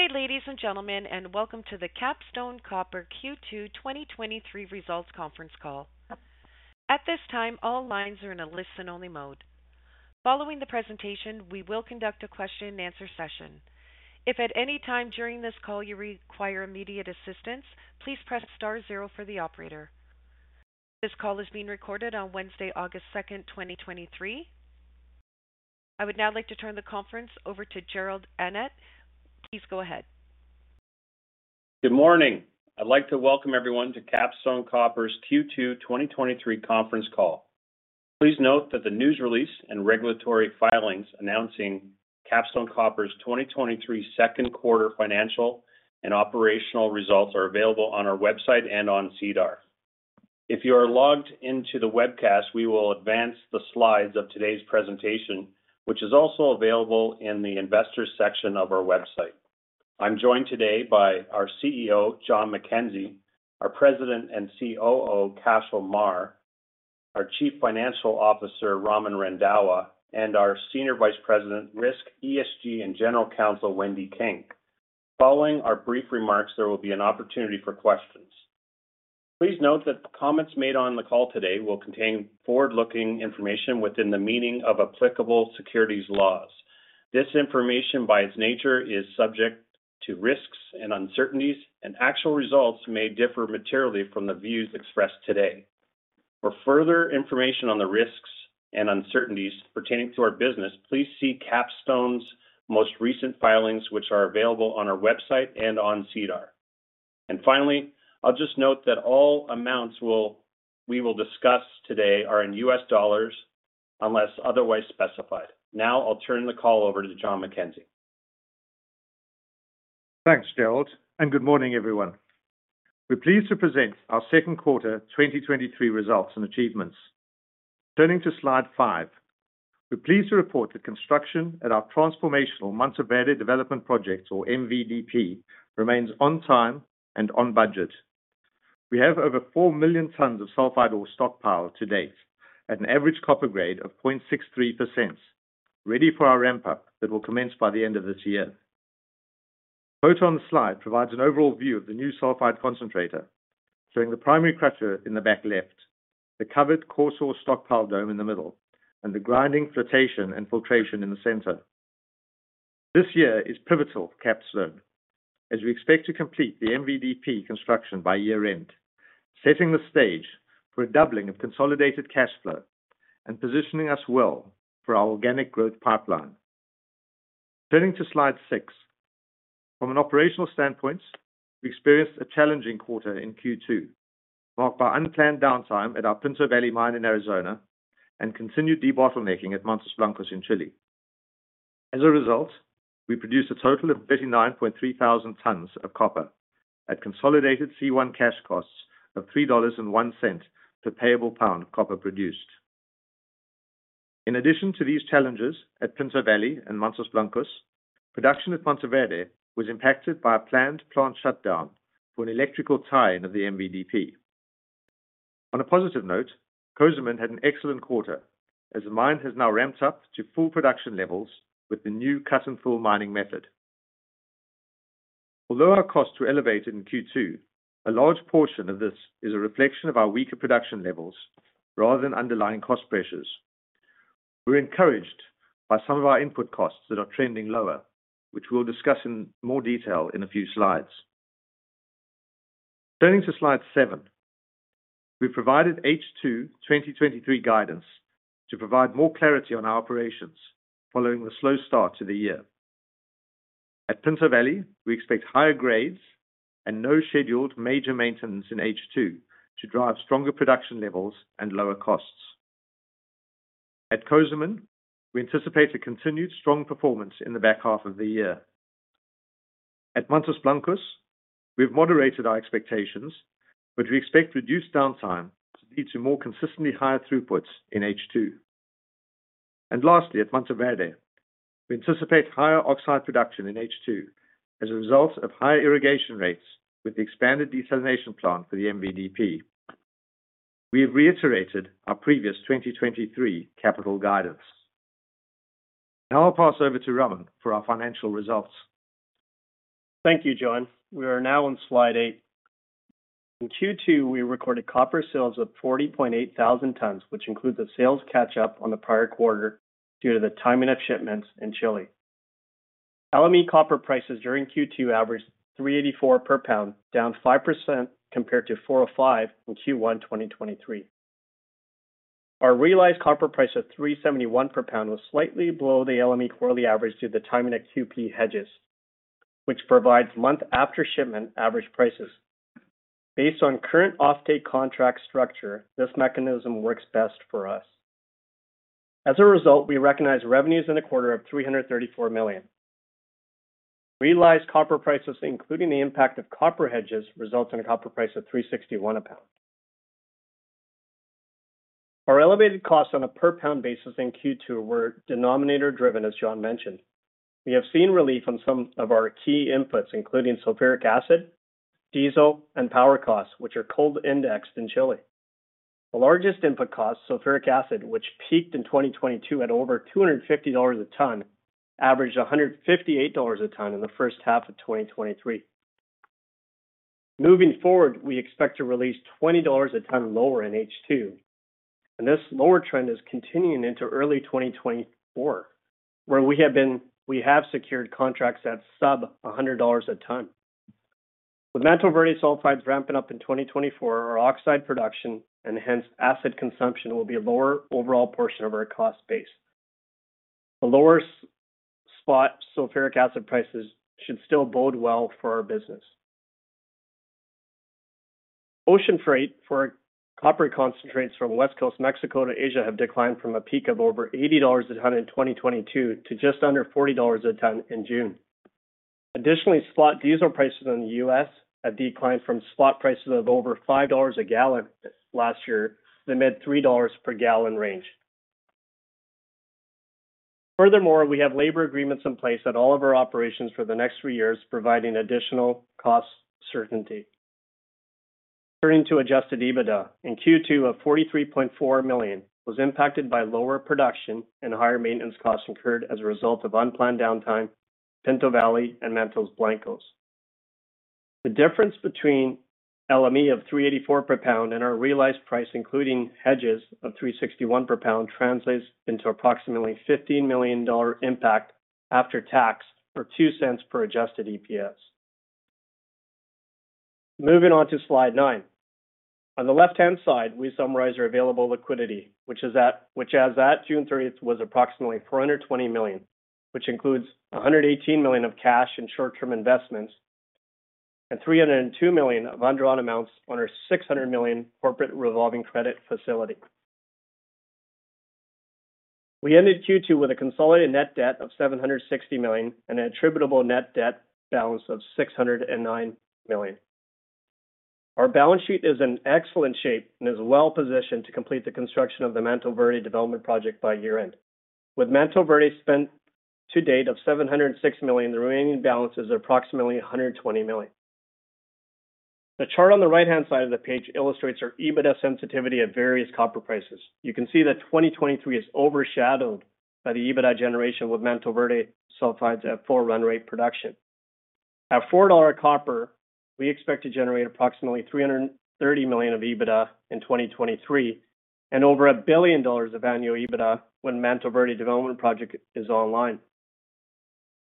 Good day, ladies and gentlemen, and welcome to the Capstone Copper Q2 2023 Results Conference Call. At this time, all lines are in a listen-only mode. Following the presentation, we will conduct a question-and-answer session. If at any time during this call you require immediate assistance, please press star zero for the operator. This call is being recorded on Wednesday, August second, 2023. I would now like to turn the conference over to Jerrold Annett. Please go ahead. Good morning. I'd like to welcome everyone to Capstone Copper's Q2 2023 conference call. Please note that the news release and regulatory filings announcing Capstone Copper's 2023 second quarter financial and operational results are available on our website and on SEDAR. If you are logged into the webcast, we will advance the slides of today's presentation, which is also available in the investors section of our website. I'm joined today by our CEO, John MacKenzie, our President and COO, Cashel Meagher, our Chief Financial Officer, Raman Randhawa, and our Senior Vice President, Risk, ESG, and General Counsel, Wendy King. Following our brief remarks, there will be an opportunity for questions. Please note that the comments made on the call today will contain forward-looking information within the meaning of applicable securities laws. This information, by its nature, is subject to risks and uncertainties, and actual results may differ materially from the views expressed today. For further information on the risks and uncertainties pertaining to our business, please see Capstone's most recent filings, which are available on our website and on SEDAR. Finally, I'll just note that all amounts we will discuss today are in U.S. dollars, unless otherwise specified. Now I'll turn the call over to John MacKenzie. Thanks, Jerrold, and good morning, everyone. We're pleased to present our second quarter 2023 results and achievements. Turning to slide 5, we're pleased to report that construction at our transformational Mantoverde Development Project, or MVDP, remains on time and on budget. We have over 4 million tons of sulfide ore stockpiled to date at an average copper grade of 0.63%, ready for our ramp-up that will commence by the end of this year. The photo on the slide provides an overall view of the new sulfide concentrator, showing the primary crusher in the back left, the covered coarse ore stockpile dome in the middle, and the grinding, flotation, and filtration in the center. This year is pivotal for Capstone, as we expect to complete the MVDP construction by year-end, setting the stage for a doubling of consolidated cash flow and positioning us well for our organic growth pipeline. Turning to slide 6. From an operational standpoint, we experienced a challenging quarter in Q2, marked by unplanned downtime at our Pinto Valley mine in Arizona and continued debottlenecking at Mantos Blancos in Chile. As a result, we produced a total of 39,300 tons of copper at consolidated C1 cash costs of $3.01 per payable pound of copper produced. In addition to these challenges at Pinto Valley and Mantos Blancos, production at Mantoverde was impacted by a planned plant shutdown for an electrical tie-in of the MVDP. On a positive note, Cozamin had an excellent quarter, as the mine has now ramped up to full production levels with the new cut-and-fill mining method. Although our costs were elevated in Q2, a large portion of this is a reflection of our weaker production levels rather than underlying cost pressures. We're encouraged by some of our input costs that are trending lower, which we'll discuss in more detail in a few slides. Turning to slide 7, we provided H2 2023 guidance to provide more clarity on our operations following the slow start to the year. At Pinto Valley, we expect higher grades and no scheduled major maintenance in H2 to drive stronger production levels and lower costs. At Cozamin, we anticipate a continued strong performance in the back half of the year. At Mantos Blancos, we've moderated our expectations, but we expect reduced downtime to lead to more consistently higher throughputs in H2. Lastly, at Mantoverde, we anticipate higher oxide production in H2 as a result of higher irrigation rates with the expanded desalination plant for the MVDP. We have reiterated our previous 2023 capital guidance. Now I'll pass over to Raman for our financial results. Thank you, John. We are now on slide 8. In Q2, we recorded copper sales of 40,800 tons, which includes a sales catch-up on the prior quarter due to the timing of shipments in Chile. LME copper prices during Q2 averaged $3.84 per pound, down 5% compared to $4.05 in Q1 2023. Our realized copper price of $3.71 per pound was slightly below the LME quarterly average due to the timing of QP hedges, which provides month after shipment average prices. Based on current offtake contract structure, this mechanism works best for us. As a result, we recognized revenues in the quarter of $334 million. Realized copper prices, including the impact of copper hedges, result in a copper price of $3.61 a pound. Our elevated costs on a per-pound basis in Q2 were denominator-driven, as John mentioned. We have seen relief on some of our key inputs, including sulfuric acid, diesel, and power costs, which are coal indexed in Chile. The largest input cost, sulfuric acid, which peaked in 2022 at over $250 a ton, averaged $158 a ton in the first half of 2023. Moving forward, we expect to release $20 a ton lower in H2, and this lower trend is continuing into early 2024, where we have secured contracts at sub $100 a ton. With Mantoverde sulfides ramping up in 2024, our oxide production and hence acid consumption will be a lower overall portion of our cost base. The lower spot sulfuric acid prices should still bode well for our business. Ocean freight for copper concentrates from West Coast, Mexico to Asia have declined from a peak of over $80 a ton in 2022 to just under $40 a ton in June. Additionally, spot diesel prices in the U.S. have declined from spot prices of over $5 a gallon last year to the mid-$3 per gallon range. Furthermore, we have labor agreements in place at all of our operations for the next three years, providing additional cost certainty. Turning to adjusted EBITDA, in Q2 of $43.4 million was impacted by lower production and higher maintenance costs incurred as a result of unplanned downtime, Pinto Valley and Mantos Blancos. The difference between LME of $3.84 per pound and our realized price, including hedges of $3.61 per pound, translates into approximately $15 million impact after tax, or $0.02 per adjusted EPS. Moving on to slide 9. On the left-hand side, we summarize our available liquidity, which as at June 30th, was approximately $420 million, which includes $118 million of cash and short-term investments, and $302 million of undrawn amounts on our $600 million corporate revolving credit facility. We ended Q2 with a consolidated net debt of $760 million and attributable net debt balance of $609 million. Our balance sheet is in excellent shape and is well-positioned to complete the construction of the Mantoverde Development Project by year-end. With Mantoverde spent to date of $706 million, the remaining balance is approximately $120 million. The chart on the right-hand side of the page illustrates our EBITDA sensitivity at various copper prices. You can see that 2023 is overshadowed by the EBITDA generation, with Mantoverde sulfides at full run rate production. At $4 copper, we expect to generate approximately $330 million of EBITDA in 2023 and over $1 billion of annual EBITDA when Mantoverde Development Project is online.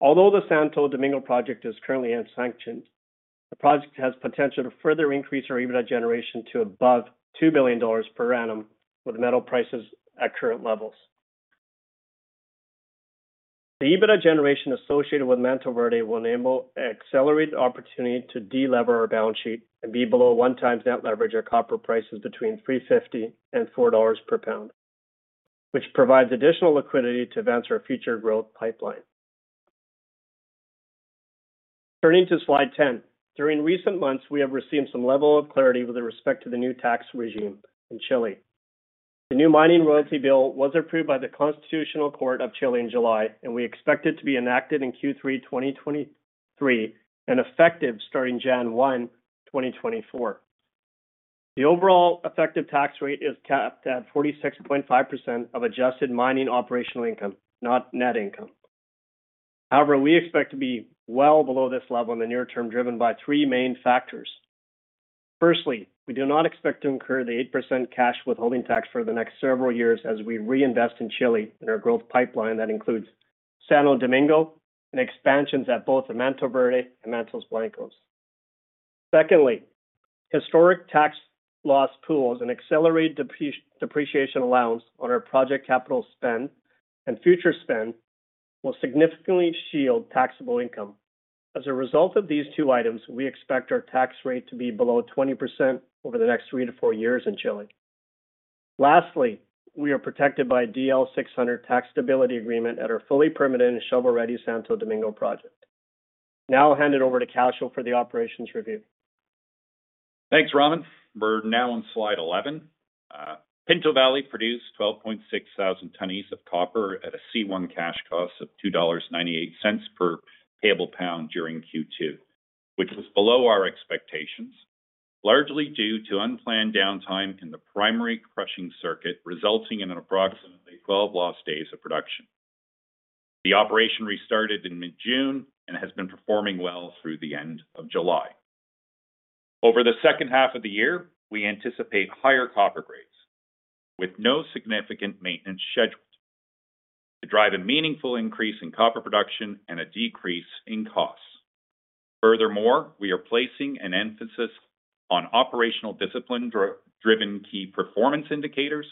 Although the Santo Domingo project is currently unsanctioned, the project has potential to further increase our EBITDA generation to above $2 billion per annum, with metal prices at current levels. The EBITDA generation associated with Mantoverde will enable accelerated opportunity to delever our balance sheet and be below 1x net leverage at copper prices between $3.50 and $4 per pound, which provides additional liquidity to advance our future growth pipeline. Turning to slide 10. During recent months, we have received some level of clarity with respect to the new tax regime in Chile. The new mining royalty bill was approved by the Constitutional Court of Chile in July. We expect it to be enacted in Q3 2023 and effective starting January 1, 2024. The overall effective tax rate is capped at 46.5% of adjusted mining operational income, not net income. However, we expect to be well below this level in the near term, driven by three main factors. Firstly, we do not expect to incur the 8% cash withholding tax for the next several years as we reinvest in Chile in our growth pipeline. That includes Santo Domingo and expansions at both Mantoverde and Mantos Blancos. Secondly, historic tax loss pools and accelerated depreciation allowance on our project capital spend and future spend will significantly shield taxable income. As a result of these two items, we expect our tax rate to be below 20% over the next three to four years in Chile. Lastly, we are protected by DL 600 tax stability agreement at our fully permitted and shovel-ready Santo Domingo project. Now I'll hand it over to Cashel for the operations review. Thanks, Raman. We're now on slide 11. Pinto Valley produced 12.6 thousand tons of copper at a C1 cash cost of $2.98 per payable pound during Q2, which was below our expectations, largely due to unplanned downtime in the primary crushing circuit, resulting in approximately 12 lost days of production. The operation restarted in mid-June and has been performing well through the end of July. Over the second half of the year, we anticipate higher copper grades with no significant maintenance scheduled to drive a meaningful increase in copper production and a decrease in costs. Furthermore, we are placing an emphasis on operational discipline-driven key performance indicators.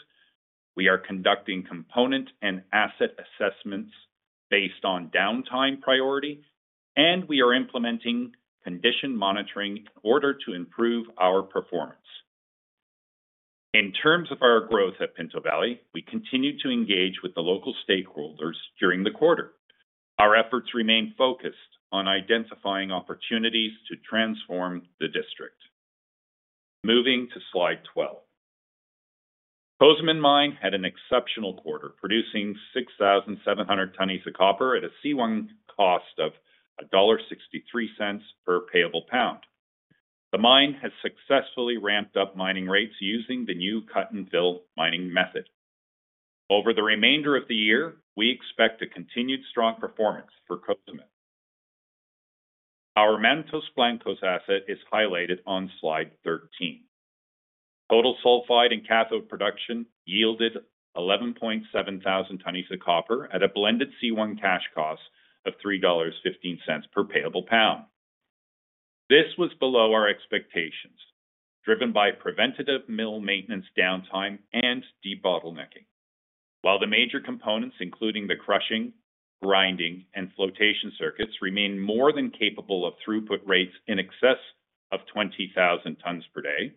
We are conducting component and asset assessments based on downtime priority, and we are implementing condition monitoring in order to improve our performance. In terms of our growth at Pinto Valley, we continued to engage with the local stakeholders during the quarter. Our efforts remain focused on identifying opportunities to transform the district. Moving to slide 12. Cozamin Mine had an exceptional quarter, producing 6,700 tons of copper at a C1 cost of $1.63 per payable pound. The mine has successfully ramped up mining rates using the new cut-and-fill mining method. Over the remainder of the year, we expect a continued strong performance for Cozamin. Our Mantos Blancos asset is highlighted on slide 13. Total sulfide and cathode production yielded 11.7 thousand tons of copper at a blended C1 cash cost of $3.15 per payable pound. This was below our expectations, driven by preventative mill maintenance downtime and debottlenecking. While the major components, including the crushing, grinding, and flotation circuits, remain more than capable of throughput rates in excess of 20,000 tons per day,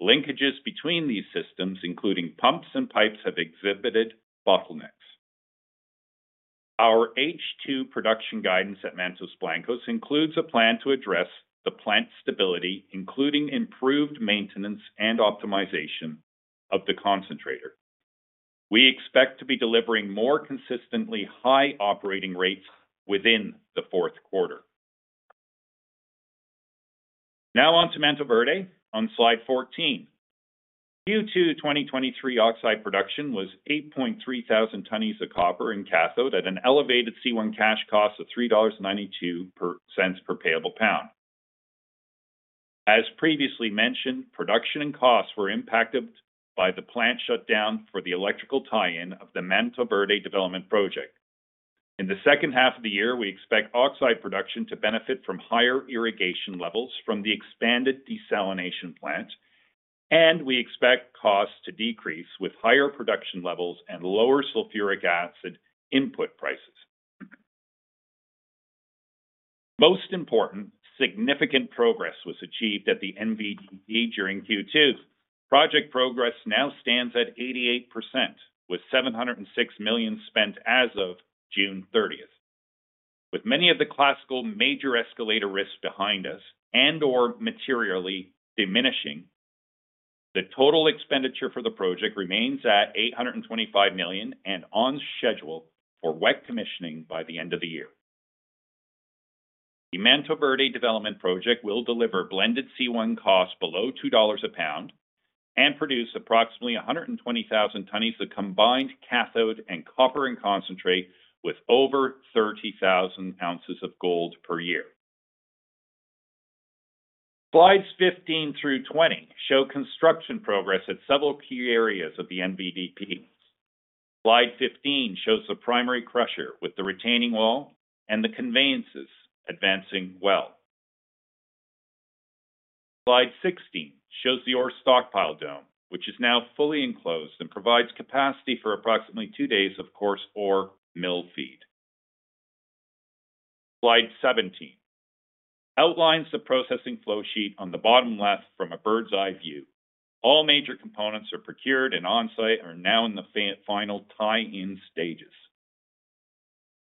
linkages between these systems, including pumps and pipes, have exhibited bottlenecks. Our H2 production guidance at Mantos Blancos includes a plan to address the plant stability, including improved maintenance and optimization of the concentrator. We expect to be delivering more consistently high operating rates within the fourth quarter. Now on to Mantoverde on slide 14. Q2 2023 oxide production was 8,300 tons of copper and cathode at an elevated C1 cash cost of $3.92 per payable pound. As previously mentioned, production and costs were impacted by the plant shutdown for the electrical tie-in of the Mantoverde Development Project. In the second half of the year, we expect oxide production to benefit from higher irrigation levels from the expanded desalination plant. We expect costs to decrease with higher production levels and lower sulfuric acid input prices. Most important, significant progress was achieved at the MVDP during Q2. Project progress now stands at 88%, with $706 million spent as of June 30th. With many of the classical major escalator risks behind us and/or materially diminishing, the total expenditure for the project remains at $825 million and on schedule for wet commissioning by the end of the year. The Mantoverde Development Project will deliver blended C1 costs below $2 a pound and produce approximately 120,000 tons of combined cathode and copper and concentrate with over 30,000 oz of gold per year. Slides 15 through 20 show construction progress at several key areas of the MVDP. Slide 15 shows the primary crusher with the retaining wall and the conveyances advancing well. Slide 16 shows the ore stockpile dome, which is now fully enclosed and provides capacity for approximately two days, of course, ore mill feed. Slide 17 outlines the processing flow sheet on the bottom left from a bird's-eye view. All major components are procured and on-site, are now in the final tie-in stages.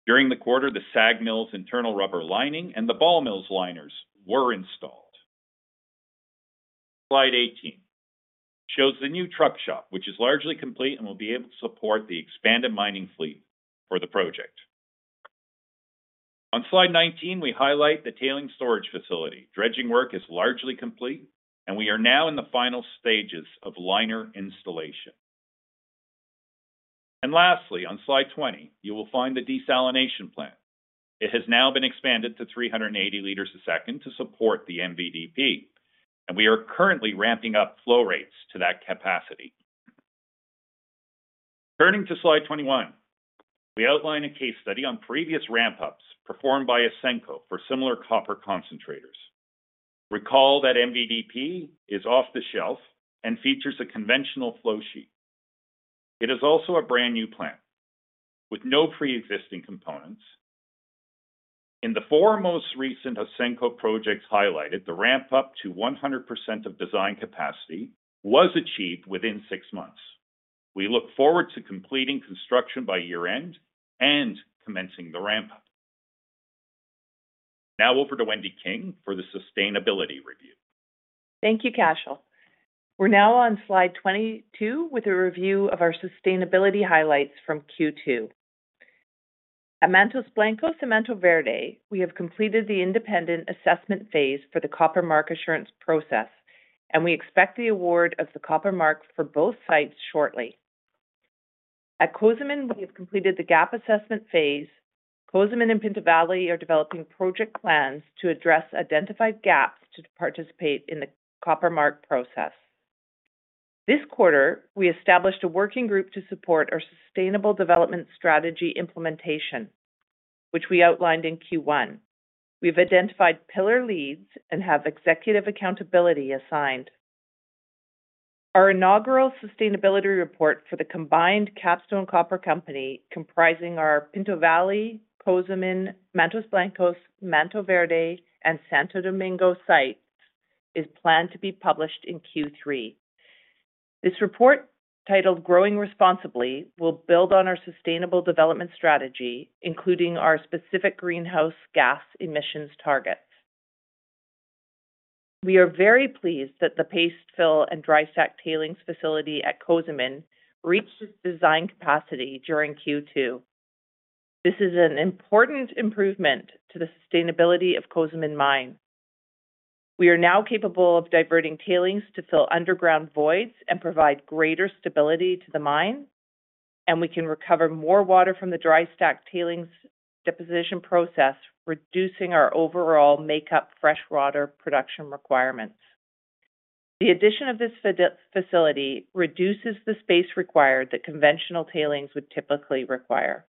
During the quarter, the SAG mill's internal rubber lining and the ball mill's liners were installed. Slide 18 shows the new truck shop, which is largely complete and will be able to support the expanded mining fleet for the project. On slide 19, we highlight the tailing storage facility. Dredging work is largely complete, and we are now in the final stages of liner installation. Lastly, on slide 20, you will find the desalination plant. It has now been expanded to 380 liters a second to support the MVDP, and we are currently ramping up flow rates to that capacity. Turning to slide 21, we outline a case study on previous ramp-ups performed by Ausenco for similar copper concentrators. Recall that MVDP is off the shelf and features a conventional flow sheet. It is also a brand-new plant with no pre-existing components. In the four most recent Ausenco projects highlighted, the ramp-up to 100% of design capacity was achieved within six months. We look forward to completing construction by year-end and commencing the ramp-up. Now over to Wendy King for the sustainability review. Thank you, Cashel. We're now on slide 22 with a review of our sustainability highlights from Q2. At Mantos Blancos to Mantoverde, we have completed the independent assessment phase for the Copper Mark Assurance process. We expect the award of the Copper Mark for both sites shortly. At Cozamin, we have completed the gap assessment phase. Cozamin and Pinto Valley are developing project plans to address identified gaps to participate in the Copper Mark process. This quarter, we established a working group to support our sustainable development strategy implementation, which we outlined in Q1. We've identified pillar leads and have executive accountability assigned. Our inaugural sustainability report for the combined Capstone Copper Company, comprising our Pinto Valley, Cozamin, Mantos Blancos, Mantoverde, and Santo Domingo sites, is planned to be published in Q3. This report, titled Growing Responsibly, will build on our sustainable development strategy, including our specific greenhouse gas emissions target. We are very pleased that the paste fill and dry stack tailings facility at Cozamin reached its design capacity during Q2. This is an important improvement to the sustainability of Cozamin mine. We are now capable of diverting tailings to fill underground voids and provide greater stability to the mine, and we can recover more water from the dry stack tailings deposition process, reducing our overall makeup freshwater production requirements. The addition of this facility reduces the space required that conventional tailings would typically require.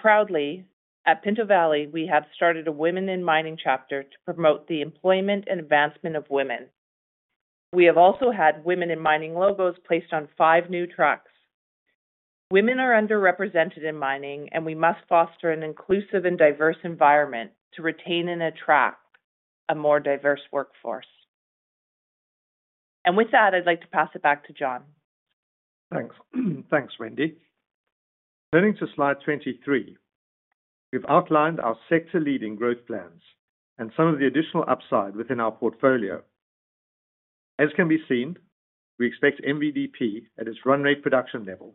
Proudly, at Pinto Valley, we have started a Women in Mining chapter to promote the employment and advancement of women. We have also had Women in Mining logos placed on five new trucks. Women are underrepresented in mining, and we must foster an inclusive and diverse environment to retain and attract a more diverse workforce. With that, I'd like to pass it back to John. Thanks. Thanks, Wendy. Turning to slide 23, we've outlined our sector-leading growth plans and some of the additional upside within our portfolio. As can be seen, we expect MVDP, at its run rate production level,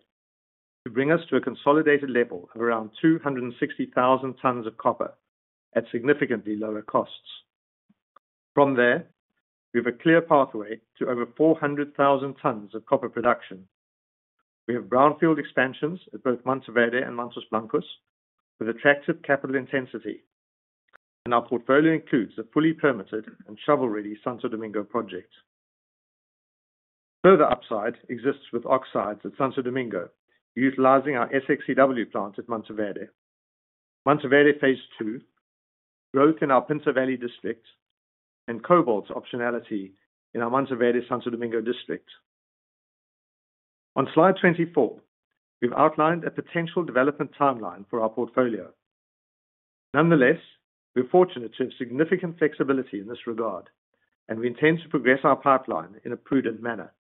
to bring us to a consolidated level of around 260,000 tons of copper at significantly lower costs. From there, we have a clear pathway to over 400,000 tons of copper production. We have brownfield expansions at both Mantoverde and Mantos Blancos with attractive capital intensity, and our portfolio includes a fully permitted and shovel-ready Santo Domingo project. Further upside exists with oxides at Santo Domingo, utilizing our SXEW plant at Mantoverde. Mantoverde phase two, growth in our Pinto Valley district, and cobalt optionality in our Mantoverde, Santo Domingo district. On slide 24, we've outlined a potential development timeline for our portfolio. Nonetheless, we're fortunate to have significant flexibility in this regard, and we intend to progress our pipeline in a prudent manner.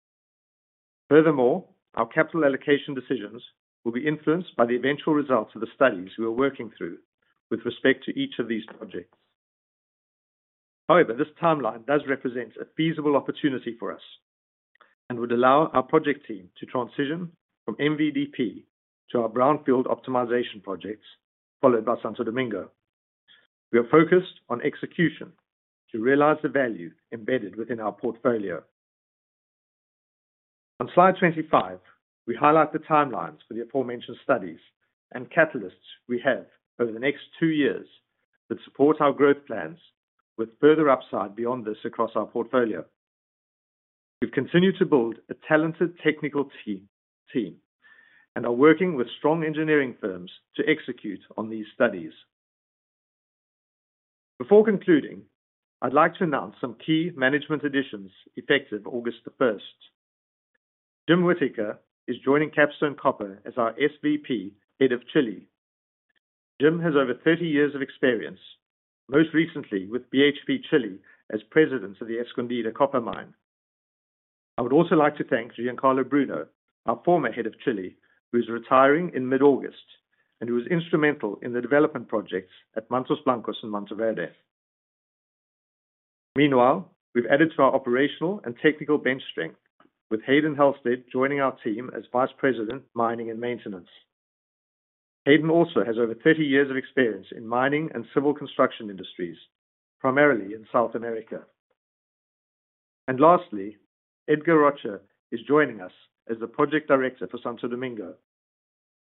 Furthermore, our capital allocation decisions will be influenced by the eventual results of the studies we are working through with respect to each of these projects. However, this timeline does represent a feasible opportunity for us and would allow our project team to transition from MVDP to our brownfield optimization projects, followed by Santo Domingo. We are focused on execution to realize the value embedded within our portfolio. On slide 25, we highlight the timelines for the aforementioned studies and catalysts we have over the next two years that support our growth plans with further upside beyond this, across our portfolio. We've continued to build a talented technical team, and are working with strong engineering firms to execute on these studies. Before concluding, I'd like to announce some key management additions effective August the first. Jim Whittaker is joining Capstone Copper as our SVP, Head of Chile. Jim has over 30 years of experience, most recently with BHP Chile as President of the Escondida Copper Mine. I would also like to thank Giancarlo Bruno, our former Head of Chile, who is retiring in mid-August, and who was instrumental in the development projects at Mantos Blancos and Mantoverde. Meanwhile, we've added to our operational and technical bench strength, with Hayden Halstead joining our team as Vice President, Mining and Maintenance. Hayden also has over 30 years of experience in mining and civil construction industries, primarily in South America. Lastly, Edgar Rocha is joining us as the Project Director for Santo Domingo.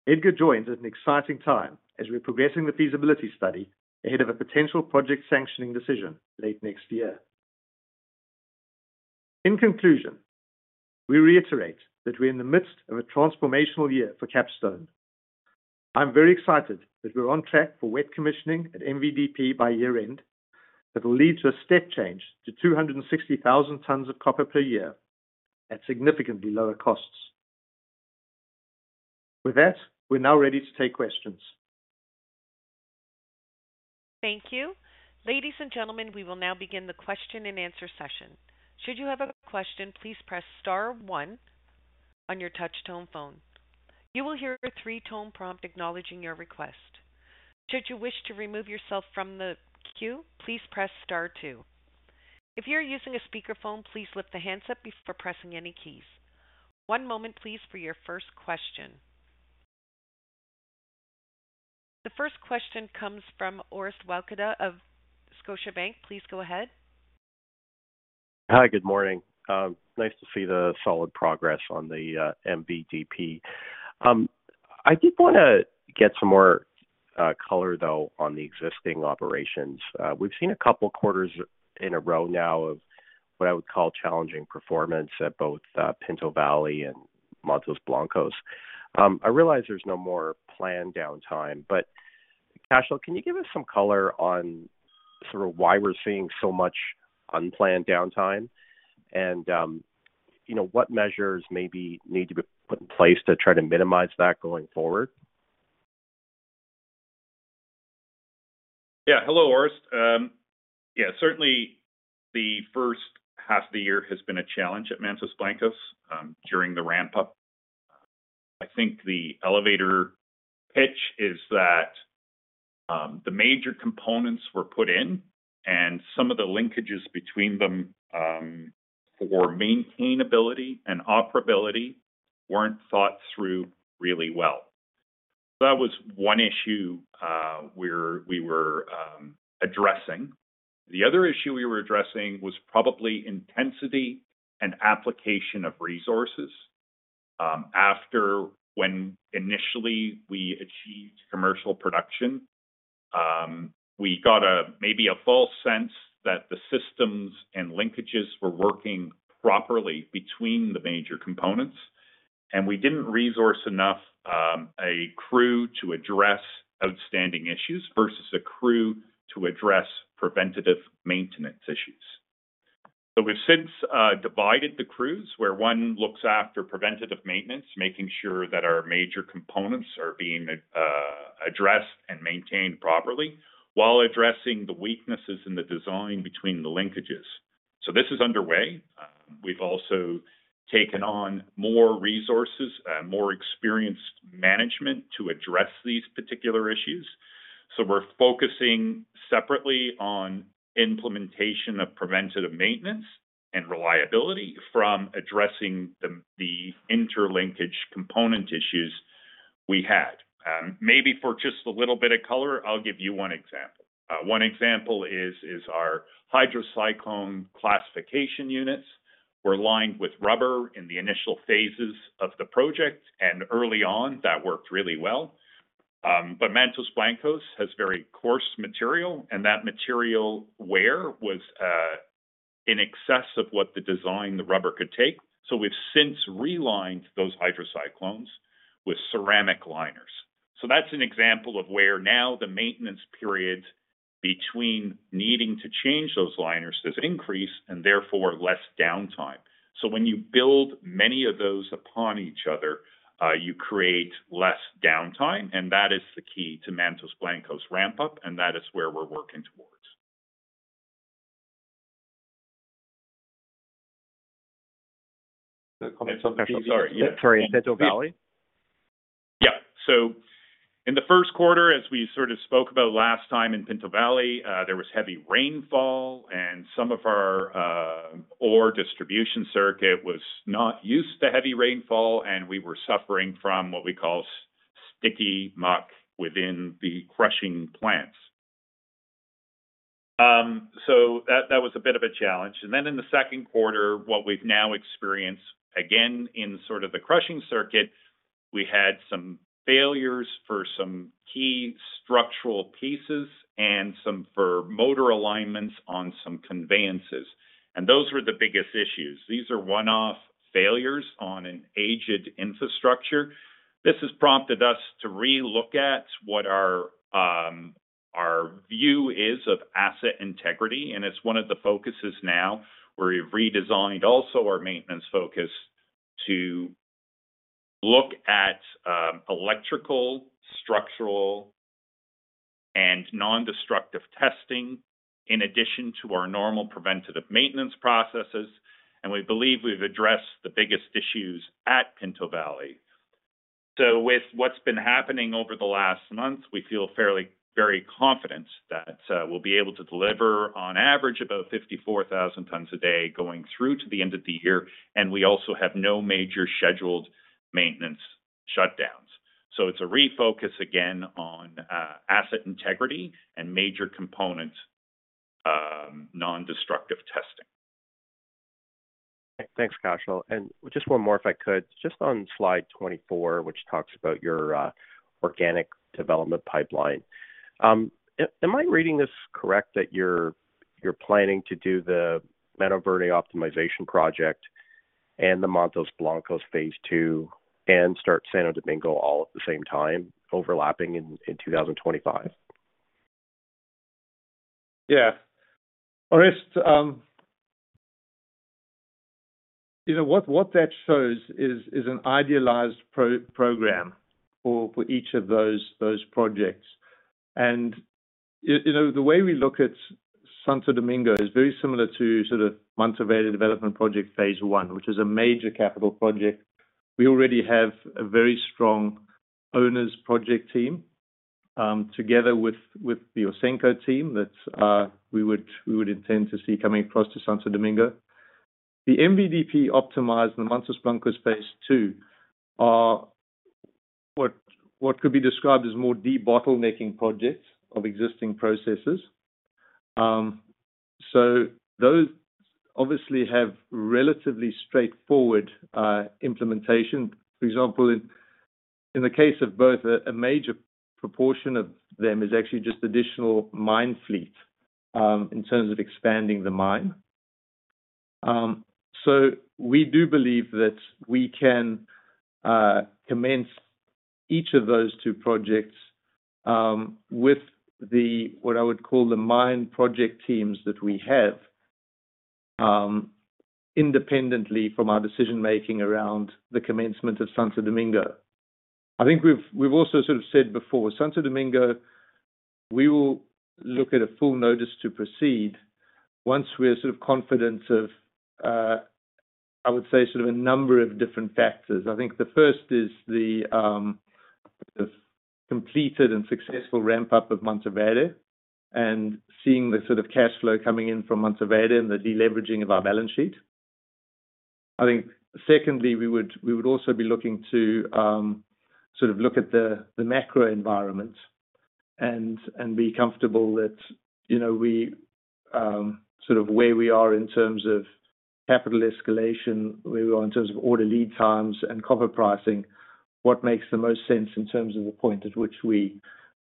Edgar joins at an exciting time as we're progressing the feasibility study ahead of a potential project sanctioning decision late next year. In conclusion, we reiterate that we are in the midst of a transformational year for Capstone. I'm very excited that we're on track for wet commissioning at MVDP by year end. That will lead to a step change to 260,000 tons of copper per year at significantly lower costs. With that, we're now ready to take questions. Thank you. Ladies and gentlemen, we will now begin the question-and-answer session. Should you have a question, please press star one on your touch tone phone. You will hear a three-tone prompt acknowledging your request. Should you wish to remove yourself from the queue, please press star two. If you're using a speakerphone, please lift the handset before pressing any keys. One moment, please, for your first question. The first question comes from Orest Wowkodaw of Scotiabank. Please go ahead. Hi, good morning. nice to see the solid progress on the MVDP. I did want to get some more color, though, on the existing operations. we've seen a couple quarters in a row now of what I would call challenging performance at both Pinto Valley and Mantos Blancos. I realize there's no more planned downtime, but Cashel, can you give us some color on sort of why we're seeing so much unplanned downtime? You know, what measures maybe need to be put in place to try to minimize that going forward? Yeah. Hello, Orest. Yeah, certainly the first half of the year has been a challenge at Mantos Blancos, during the ramp-up. I think the elevator pitch is that, the major components were put in, and some of the linkages between them, for maintainability and operability weren't thought through really well. That was one issue, we were addressing. The other issue we were addressing was probably intensity and application of resources. After, when initially we achieved commercial production, we got a maybe a false sense that the systems and linkages were working properly between the major components, and we didn't resource enough, a crew to address outstanding issues versus a crew to address preventative maintenance issues. We've since divided the crews, where one looks after preventative maintenance, making sure that our major components are being addressed and maintained properly, while addressing the weaknesses in the design between the linkages. This is underway. We've also taken on more resources, more experienced management to address these particular issues. We're focusing separately on implementation of preventative maintenance and reliability from addressing the interlinkage component issues we had. Maybe for just a little bit of color, I'll give you one example. One example is, is our hydrocyclone classification units were lined with rubber in the initial phases of the project, and early on, that worked really well. But Mantos Blancos has very coarse material, and that material wear was in excess of what the design the rubber could take. We've since relined those hydrocyclones with ceramic liners. That's an example of where now the maintenance periods between needing to change those liners has increased and therefore less downtime. When you build many of those upon each other, you create less downtime, and that is the key to Mantos Blancos ramp-up, and that is where we're working towards. The comments on- Sorry, yeah. Sorry, Pinto Valley? In the first quarter, as we sort of spoke about last time in Pinto Valley, there was heavy rainfall, and some of our ore distribution circuit was not used to heavy rainfall, and we were suffering from what we call sticky muck within the crushing plants. That, that was a bit of a challenge. Then in the second quarter, what we've now experienced, again, in sort of the crushing circuit, we had some failures for some key structural pieces and some for motor alignments on some conveyances, and those were the biggest issues. These are one-off failures on an aged infrastructure. This has prompted us to relook at what our, our view is of asset integrity, and it's one of the focuses now, where we've redesigned also our maintenance focus to look at, electrical, structural, and non-destructive testing, in addition to our normal preventative maintenance processes. We believe we've addressed the biggest issues at Pinto Valley. With what's been happening over the last month, we feel fairly, very confident that, we'll be able to deliver, on average, about 54,000 tons a day, going through to the end of the year, and we also have no major scheduled maintenance shutdowns. It's a refocus again on, asset integrity and major component, non-destructive testing. Thanks, Cashel. Just one more, if I could. Just on slide 24, which talks about your organic development pipeline. Am I reading this correct that you're planning to do the Mano Verde Optimization Project and the Mantos Blancos Phase II and start Santo Domingo all at the same time, overlapping in 2025? Yeah. Orest, you know, what, what that shows is, is an idealized program for, for each of those, those projects. You know, the way we look at Santo Domingo is very similar to sort of Mantoverde Development Project Phase II, which is a major capital project. We already have a very strong owners project team, together with, with the Ausenco team, that we would, we would intend to see coming across to Santo Domingo. The MVDP optimized the Mantos Blancos Phase II, are what, what could be described as more debottlenecking projects of existing processes. Those obviously have relatively straightforward implementation. For example, in, in the case of both, a major proportion of them is actually just additional mine fleet, in terms of expanding the mine. We do believe that we can commence each of those two projects independently from our decision-making around the commencement of Santo Domingo. I think we've also sort of said before, we will look at a full notice to proceed once we're sort of confident of, I would say sort of a number of different factors. I think the first is the completed and successful ramp-up of Mantoverde, and seeing the sort of cash flow coming in from Mantoverde and the de-leveraging of our balance sheet. I think secondly, we would, we would also be looking to look at the, the macro environment and, and be comfortable that, you know, we, where we are in terms of capital escalation, where we are in terms of order lead times and copper pricing, what makes the most sense in terms of the point at which we,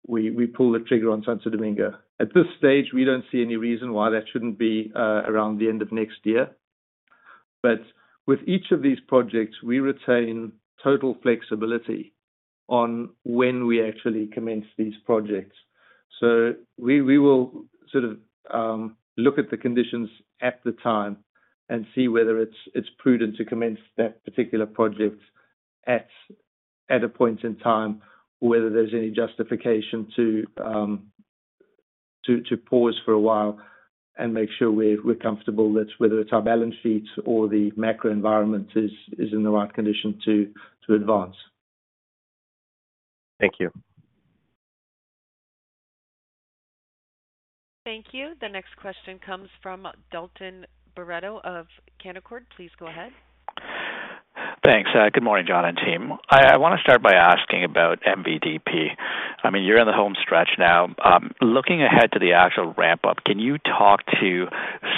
we, we pull the trigger on Santo Domingo? At this stage, we don't see any reason why that shouldn't be around the end of next year. With each of these projects, we retain total flexibility on when we actually commence these projects. We, we will sort of look at the conditions at the time and see whether it's, it's prudent to commence that particular project at, at a point in time, or whether there's any justification to to pause for a while and make sure we're, we're comfortable that whether it's our balance sheet or the macro environment is, is in the right condition to, to advance. Thank you. Thank you. The next question comes from Dalton Baretto of Canaccord. Please go ahead. Thanks. Good morning, John and team. I, I wanna start by asking about MVDP. I mean, you're in the home stretch now. Looking ahead to the actual ramp-up, can you talk to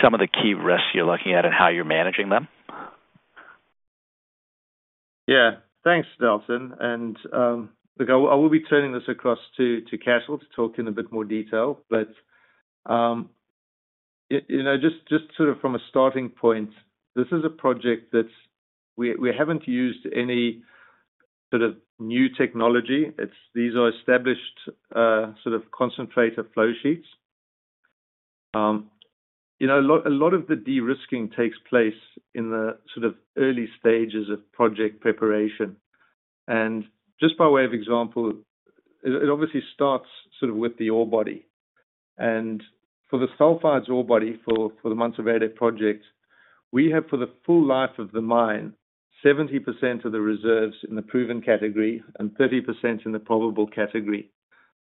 some of the key risks you're looking at and how you're managing them? Yeah. Thanks, Dalton. Look, I, I will be turning this across to Cashel to talk in a bit more detail, but you know, just, just sort of from a starting point, this is a project that we, we haven't used any sort of new technology. These are established, sort of concentrator flow sheets. You know, a lot, a lot of the de-risking takes place in the sort of early stages of project preparation. Just by way of example, it, it obviously starts sort of with the ore body. For the sulphides ore body, for, for the Mantoverde project, we have, for the full life of the mine, 70% of the reserves in the proven category and 30% in the probable category.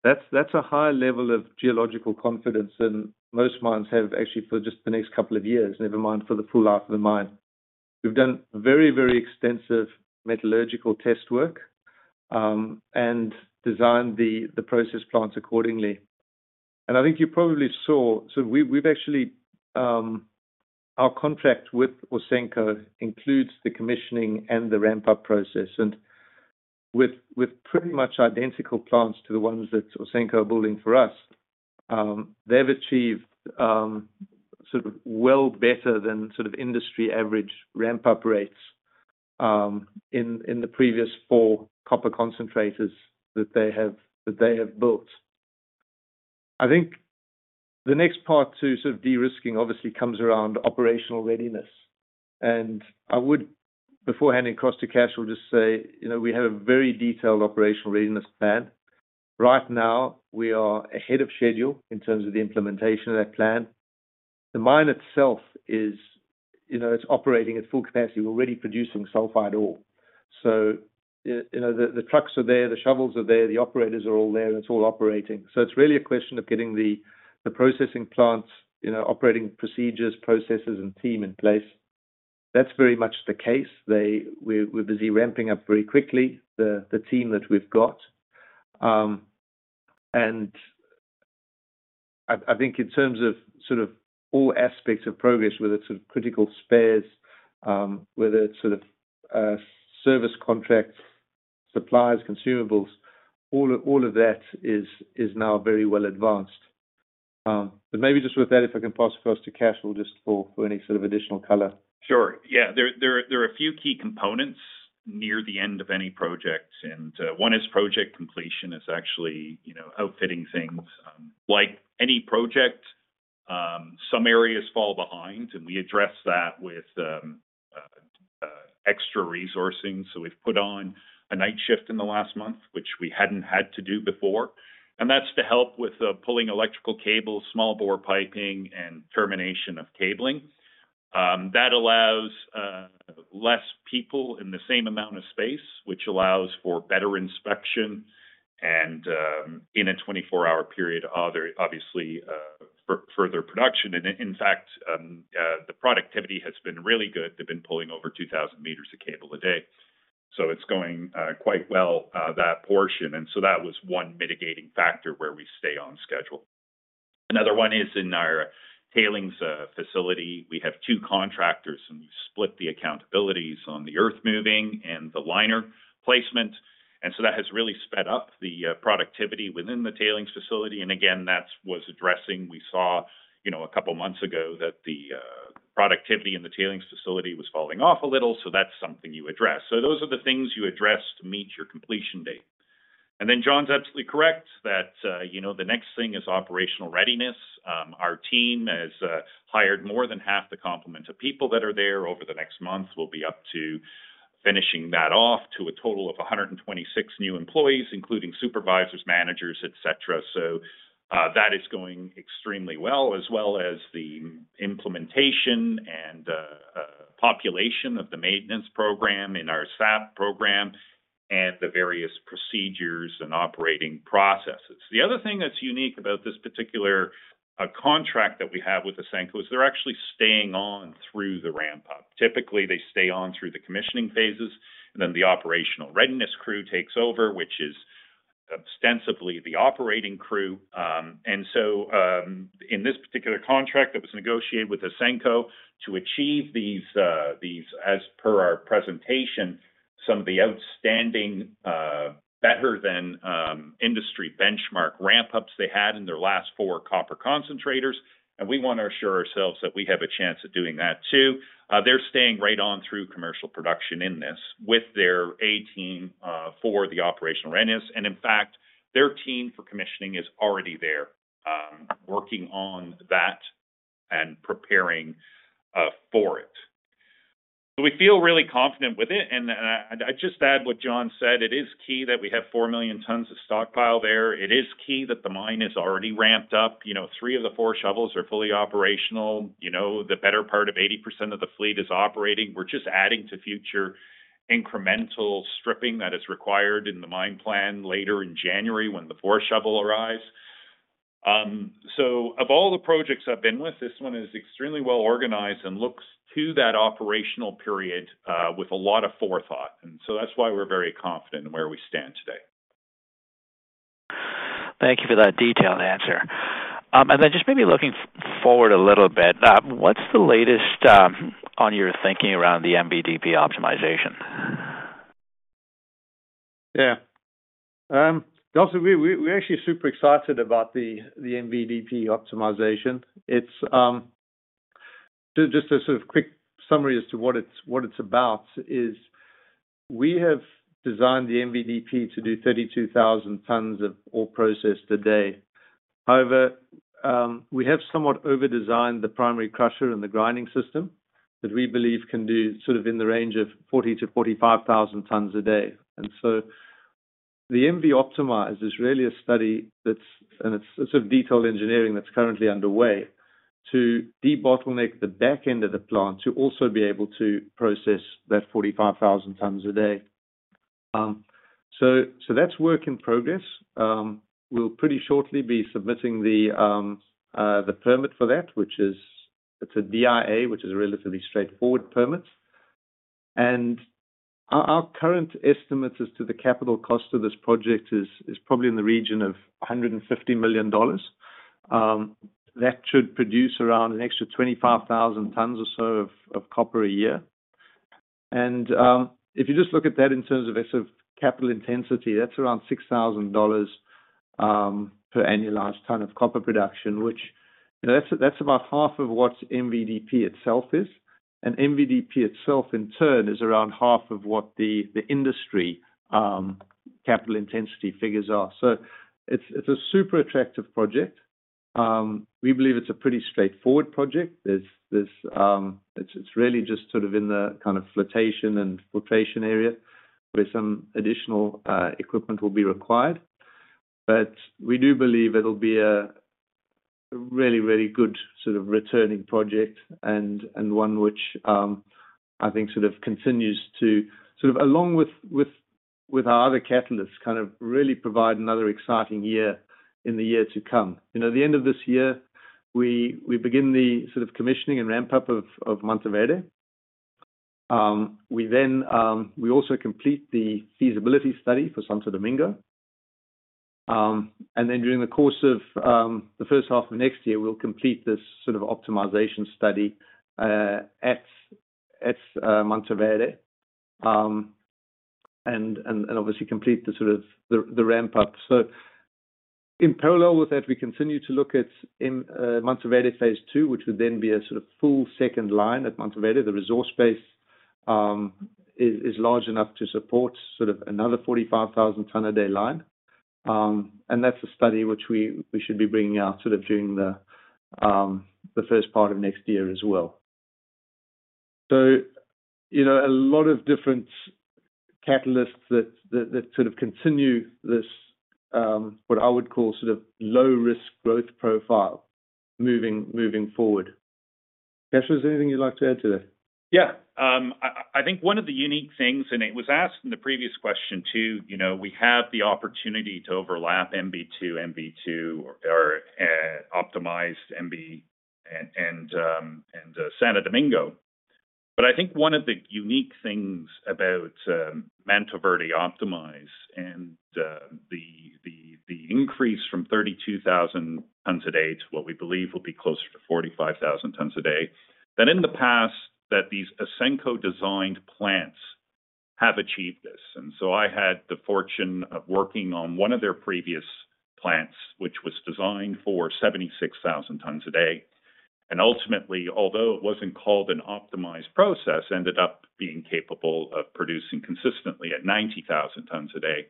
That's, that's a high level of geological confidence, and most mines have actually for just the next couple of years, never mind for the full life of the mine. We've done very, very extensive metallurgical test work, and designed the, the process plants accordingly. I think you probably saw. So we've, we've actually, our contract with Ausenco includes the commissioning and the ramp-up process, and with, with pretty much identical plants to the ones that Ausenco are building for us, they've achieved, sort of well better than sort of industry average ramp-up rates, in the previous four copper concentrators that they have, that they have built. I think the next part to sort of de-risking obviously comes around operational readiness. I would beforehand, and across to Cashel, just say, you know, we have a very detailed operational readiness plan. Right now, we are ahead of schedule in terms of the implementation of that plan. The mine itself is, you know, it's operating at full capacity, we're already producing sulfide ore. You, you know, the, the trucks are there, the shovels are there, the operators are all there, and it's all operating. It's really a question of getting the, the processing plants, you know, operating procedures, processes, and team in place. That's very much the case. We're, we're busy ramping up very quickly, the, the team that we've got. I, I think in terms of sort of all aspects of progress, whether it's sort of critical spares, whether it's sort of service contracts, suppliers, consumables, all of, all of that is, is now very well advanced. Maybe just with that, if I can pass across to Cashel, just for, for any sort of additional color. Sure. Yeah, there, there, there are a few key components near the end of any project, and one is project completion. It's actually, you know, outfitting things. Like any project, some areas fall behind, and we address that with extra resourcing. We've put on a night shift in the last month, which we hadn't had to do before, and that's to help with pulling electrical cable, small bore piping, and termination of cabling. That allows less people in the same amount of space, which allows for better inspection and in a 24-hour period for further production. In fact, the productivity has been really good. They've been pulling over 2,000 meters of cable a day, so it's going quite well, that portion, and so that was one mitigating factor where we stay on schedule. Another one is in our tailings facility. We have two contractors, and we've split the accountabilities on the earth moving and the liner placement, and so that has really sped up the productivity within the tailings facility. Again, that's was addressing, we saw, you know, a couple of months ago that the productivity in the tailings facility was falling off a little, so that's something you address. So those are the things you address to meet your completion date. Then John's absolutely correct that, you know, the next thing is operational readiness. Team has hired more than half the complement of people that are there. Over the next month, we'll be up to finishing that off to a total of 126 new employees, including supervisors, managers, et cetera. That is going extremely well, as well as the implementation and population of the maintenance program in our SAP program and the various procedures and operating processes. The other thing that's unique about this particular contract that we have with Ausenco is they're actually staying on through the ramp-up. Typically, they stay on through the commissioning phases, and then the operational readiness crew takes over, which is ostensibly the operating crew. In this particular contract that was negotiated with Ausenco to achieve these, these, as per our presentation, some of the outstanding, better than industry benchmark ramp-ups they had in their last four copper concentrators, we want to assure ourselves that we have a chance at doing that, too. They're staying right on through commercial production in this with their A team for the operational readiness. In fact, their team for commissioning is already there, working on that and preparing for it. We feel really confident with it. I'd just add what John said, it is key that we have 4 million tons of stockpile there. It is key that the mine is already ramped up. You know, three of the four shovels are fully operational. You know, the better part of 80% of the fleet is operating. We're just adding to future incremental stripping that is required in the mine plan later in January, when the fourth shovel arrives. Of all the projects I've been with, this one is extremely well organized and looks to that operational period, with a lot of forethought, that's why we're very confident in where we stand today. Thank you for that detailed answer. Then just maybe looking forward a little bit, what's the latest on your thinking around the MVDP optimization? Yeah. Also, we, we, we're actually super excited about the MVDP Optimization. It's, just a sort of quick summary as to what it's, what it's about is we have designed the MVDP to do 32,000 tons of ore process today. However, we have somewhat overdesigned the primary crusher and the grinding system that we believe can do sort of in the range of 40,000-45,000 tons a day. The MV Optimized is really a study that's, and it's a sort of detailed engineering that's currently underway, to debottleneck the back end of the plant to also be able to process that 45,000 tons a day. That's work in progress. We'll pretty shortly be submitting the permit for that, which is, it's a DIA, which is a relatively straightforward permit. Our, our current estimates as to the capital cost of this project is, is probably in the region of $150 million. That should produce around an extra 25,000 tons or so of, of copper a year. If you just look at that in terms of, as of capital intensity, that's around $6,000 per annualized ton of copper production, which, you know, that's, that's about half of what MVDP itself is. MVDP itself, in turn, is around half of what the, the industry, capital intensity figures are. It's, it's a super attractive project. We believe it's a pretty straightforward project. There's, there's... It's, it's really just sort of in the kind of flotation and filtration area, where some additional equipment will be required. We do believe it'll be a, a really, really good sort of returning project and, and one which, I think sort of continues to, sort of along with, with, with our other catalysts, kind of really provide another exciting year in the year to come. You know, at the end of this year, we, we begin the sort of commissioning and ramp-up of, of Mantoverde. We then, we also complete the feasibility study for Santo Domingo. During the course of, the first half of next year, we'll complete this sort of optimization study, at, at, Mantoverde, and, and obviously complete the sort of the, the ramp-up. In parallel with that, we continue to look at in, Mantoverde Phase II, which would then be a sort of full second line at Mantoverde. The resource base, is, is large enough to support sort of another 45,000 ton a day line. That's a study which we, we should be bringing out sort of during the first part of next year as well. You know, a lot of different catalysts that, that, that sort of continue this, what I would call sort of low-risk growth profile moving, moving forward. Cashel, was there anything you'd like to add to that? Yeah. I, I, I think one of the unique things, and it was asked in the previous question, too, you know, we have the opportunity to overlap MB2, MB2 or optimized MB and, and, and Santo Domingo. I think one of the unique things about Mantoverde Optimized and the, the, the increase from 32,000 tons a day to what we believe will be closer to 45,000 tons a day, that in the past that these Ausenco-designed plants have achieved this. I had the fortune of working on one of their previous plants, which was designed for 76,000 tons a day, and ultimately, although it wasn't called an optimized process, ended up being capable of producing consistently at 90,000 tons a day.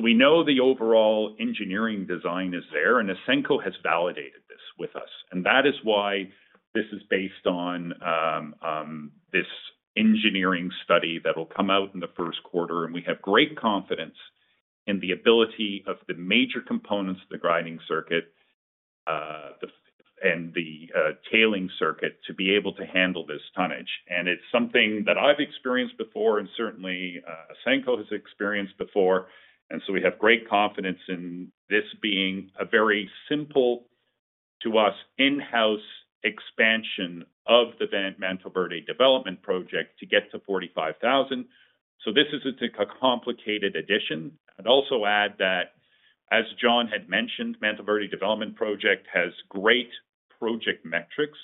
We know the overall engineering design is there, and Ausenco has validated this with us. That is why this is based on this engineering study that will come out in the first quarter, and we have great confidence in the ability of the major components of the grinding circuit, the, and the, tailing circuit, to be able to handle this tonnage. It's something that I've experienced before and certainly, Ausenco has experienced before. We have great confidence in this being a very simple to us, in-house expansion of the Mantoverde Development Project to get to 45,000. This is a complicated addition. I'd also add that, as John had mentioned, Mantoverde Development Project has great project metrics,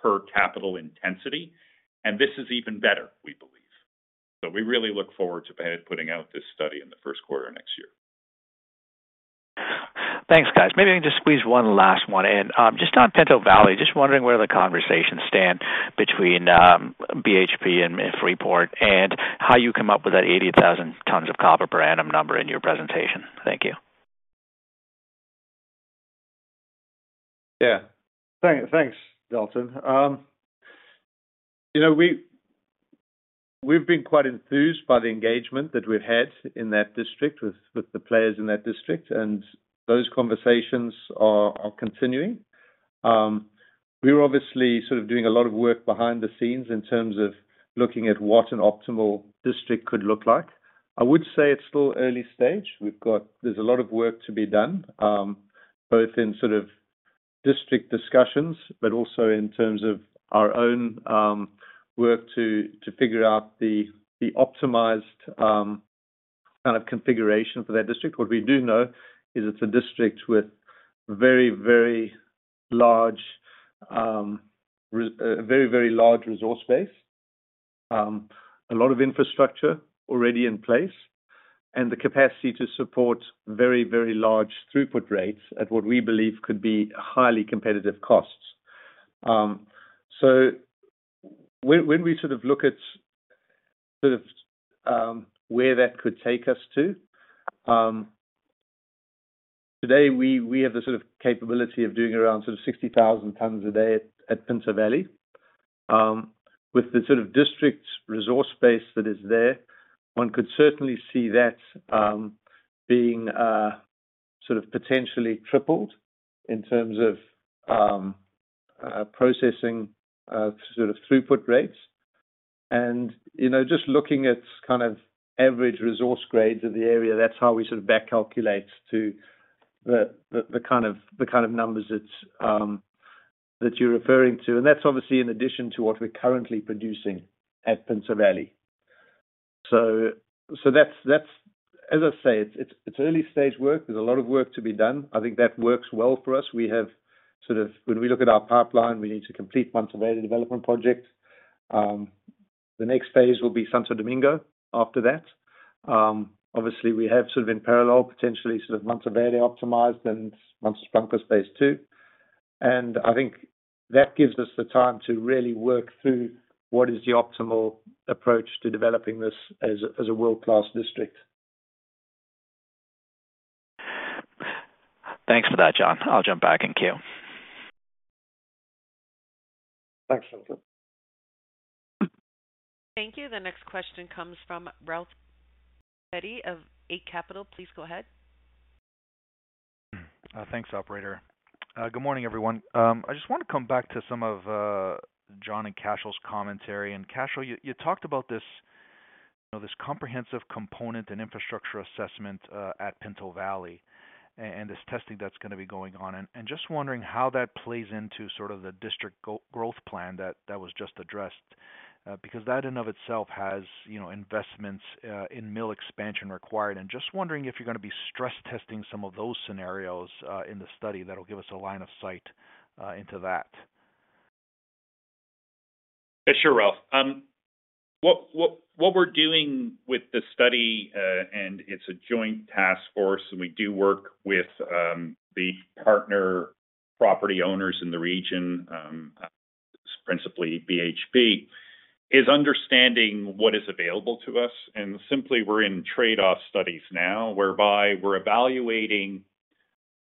per capital intensity, and this is even better, we believe. We really look forward to putting out this study in the first quarter next year. Thanks, guys. Maybe I can just squeeze one last one in. Just on Pinto Valley, just wondering where the conversations stand between BHP and Freeport, and how you come up with that 80,000 tons of copper per annum number in your presentation. Thank you. Yeah. Thank, thanks, Dalton. you know, we, we've been quite enthused by the engagement that we've had in that district with, with the players in that district. Those conversations are, are continuing. We're obviously sort of doing a lot of work behind the scenes in terms of looking at what an optimal district could look like. I would say it's still early stage. There's a lot of work to be done, both in sort of district discussions, but also in terms of our own work to, to figure out the, the optimized kind of configuration for that district. What we do know is it's a district with very, very large, a very, very large resource base, a lot of infrastructure already in place, and the capacity to support very, very large throughput rates at what we believe could be highly competitive costs. When, when we sort of look at sort of, where that could take us to, today, we, we have the sort of capability of doing around sort of 60,000 tons a day at Pinto Valley. With the sort of district resource base that is there, one could certainly see that, being, sort of potentially tripled in terms of, processing, sort of throughput rates. You know, just looking at kind of average resource grades of the area, that's how we sort of back calculate to the, the, the kind of, the kind of numbers that you're referring to. That's obviously in addition to what we're currently producing at Pinto Valley. That's, that's, as I say, it's, it's early-stage work. There's a lot of work to be done. I think that works well for us. We have sort of, when we look at our pipeline, we need to complete Mantoverde Development Project. The next phase will be Santo Domingo after that. Obviously, we have sort of in parallel, potentially sort of Mantoverde Optimized and Mantoverde phase two. I think that gives us the time to really work through what is the optimal approach to developing this as, as a world-class district. Thanks for that, John. I'll jump back in queue. Thanks, Dalton. Thank you. The next question comes from Ralph Profiti of Eight Capital. Please go ahead. Thanks, operator. Good morning, everyone. I just want to come back to some of John and Cashel's commentary. Cashel, you, you talked about this, you know, this comprehensive component and infrastructure assessment at Pinto Valley, and this testing that's going to be going on. Just wondering how that plays into sort of the district growth plan that, that was just addressed, because that in of itself has, you know, investments in mill expansion required. Just wondering if you're going to be stress testing some of those scenarios in the study that'll give us a line of sight into that. Yeah, sure, Ralph. What we're doing with the study, and it's a joint task force, and we do work with the partner property owners in the region, principally BHP, is understanding what is available to us. Simply, we're in trade-off studies now, whereby we're evaluating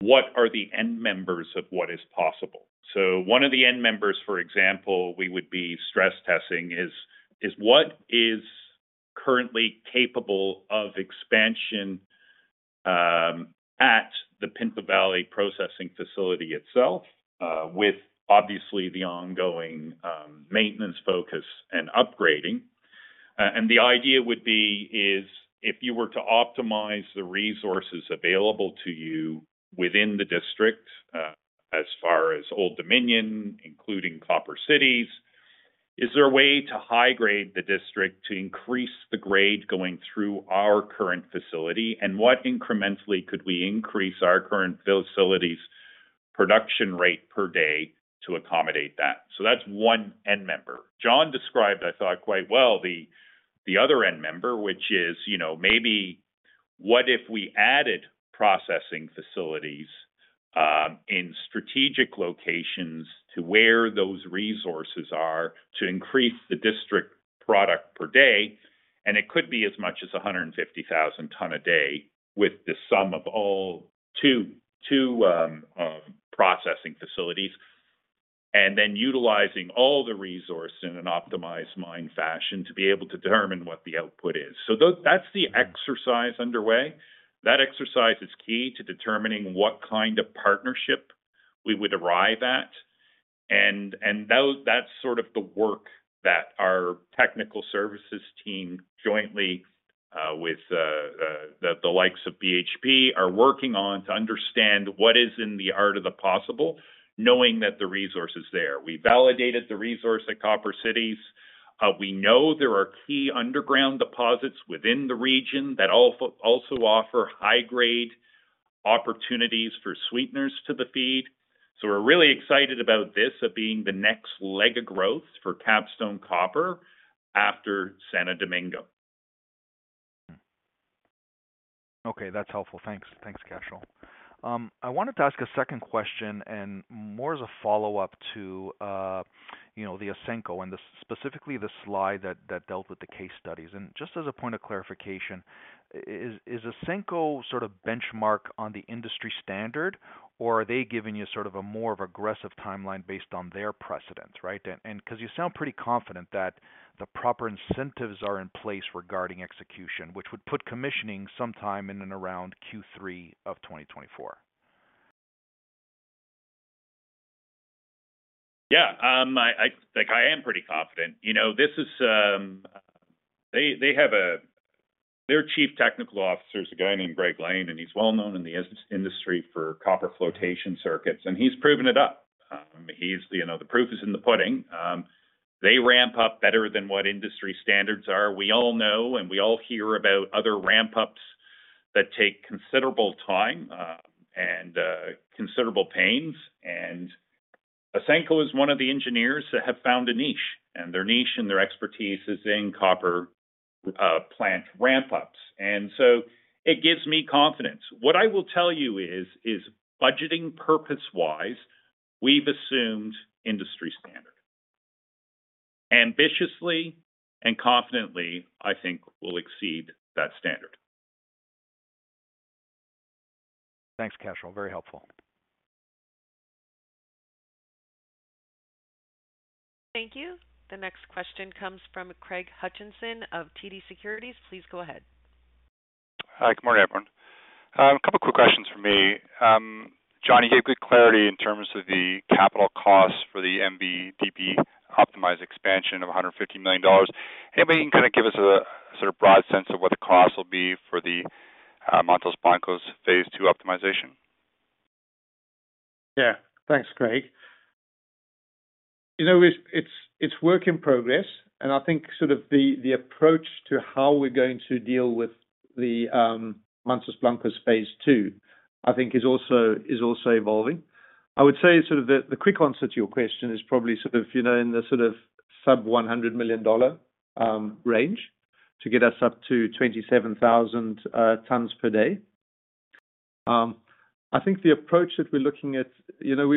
what are the end members of what is possible. One of the end members, for example, we would be stress testing, is what is currently capable of expansion at the Pinto Valley processing facility itself, with obviously the ongoing maintenance focus and upgrading. The idea would be is if you were to optimize the resources available to you within the district, as far as Old Dominion, including Copper Cities, is there a way to high grade the district to increase the grade going through our current facility? What incrementally could we increase our current facility's production rate per day to accommodate that? That's one end member. John described, I thought, quite well, the, the other end member, which is, you know, maybe what if we added processing facilities in strategic locations to where those resources are to increase the district product per day, and it could be as much as 150,000 ton a day with the sum of all two processing facilities. Then utilizing all the resource in an optimized mine fashion to be able to determine what the output is. That's the exercise underway. That exercise is key to determining what kind of partnership we would arrive at, and, and that, that's sort of the work that our technical services team, jointly, with, the, likes of BHP, are working on to understand what is in the art of the possible, knowing that the resource is there. We validated the resource at Copper Cities. We know there are key underground deposits within the region that also, also offer high-grade opportunities for sweeteners to the feed. We're really excited about this, being the next leg of growth for Capstone Copper after Santo Domingo. Okay, that's helpful. Thanks. Thanks, Cashel. I wanted to ask a second question and more as a follow-up to, you know, the Ausenco and the specifically the slide that, that dealt with the case studies. Just as a point of clarification, is, is Ausenco sort of benchmark on the industry standard, or are they giving you sort of a more of aggressive timeline based on their precedent, right? Because you sound pretty confident that the proper incentives are in place regarding execution, which would put commissioning sometime in and around Q3 of 2024. Yeah, I, I like, I am pretty confident. You know, this is. They, they have their chief technical officer is a guy named Gregg Lane, and he's well known in the industry for copper flotation circuits, and he's proven it up. He's, you know, the proof is in the pudding. They ramp up better than what industry standards are. We all know, and we all hear about other ramp-ups that take considerable time, and considerable pains. Ausenco is one of the engineers that have found a niche, and their niche and their expertise is in copper plant ramp-ups, and so it gives me confidence. What I will tell you is, is budgeting purpose-wise, we've assumed industry standard. Ambitiously and confidently, I think we'll exceed that standard. Thanks, Cashel. Very helpful. Thank you. The next question comes from Craig Hutchison of TD Securities. Please go ahead. Hi, good morning, everyone. A couple quick questions from me. John, you gave good clarity in terms of the capital costs for the MB/DB optimized expansion of $150 million. Maybe you can kind of give us a sort of broad sense of what the costs will be for the Mantos Blancos Phase II optimization. Yeah. Thanks, Craig. You know, it's, it's, it's work in progress, and I think sort of the, the approach to how we're going to deal with the Mantos Blancos Phase II, I think is also, is also evolving. I would say sort of the, the quick answer to your question is probably sort of, you know, in the sort of sub-$100 million range to get us up to 27,000 tons per day. I think the approach that we're looking at, you know,